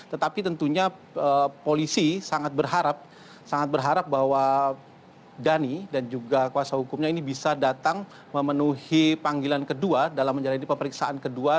tetapi tentunya polisi sangat berharap sangat berharap bahwa dhani dan juga kuasa hukumnya ini bisa datang memenuhi panggilan kedua dalam menjalani pemeriksaan kedua